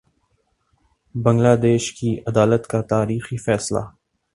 بنگلہ دیش کی عدالت کا تاریخی فیصلہ